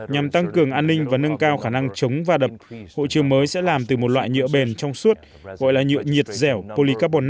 nhằm tăng cường an ninh và nâng cao khả năng chống và đập hộ chiếu mới sẽ làm từ một loại nhựa bền trong suốt gọi là nhựa nhiệt dẻo poly carbon